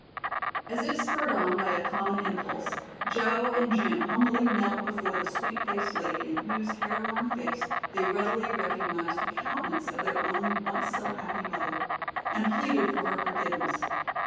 As if spurred on by a common impulse, Joe and Jim humbly knelt before the sweet faced lady in whose careworn face they readily recognized the countenance of their own once so happy mother, and pleaded for her forgiveness.